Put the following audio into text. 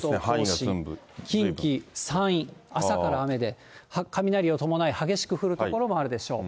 近畿、山陰、朝から雨で、雷を伴い激しく降る所もあるでしょう。